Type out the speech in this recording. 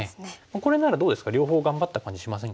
これならどうですか両方頑張った感じしませんか？